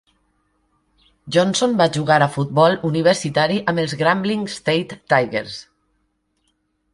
Johnson va jugar a futbol universitari amb els Grambling State Tigers.